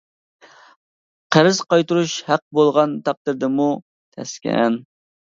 قەرز قايتۇرۇش ھەق بولغان تەقدىردىمۇ تەسكەن.